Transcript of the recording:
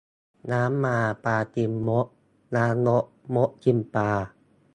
น้ำมาปลากินมด น้ำลดมดกินปลา